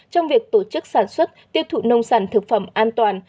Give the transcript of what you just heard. trong việc tổ chức sản xuất tiêu thụ nông sản thực phẩm an toàn